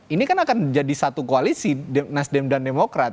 ini kan akan jadi satu koalisi nasdem dan demokrat